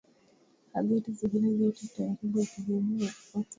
hadithi zingine zote Utaratibu wa kijamii wa Ottoman